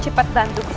cepat dan jubus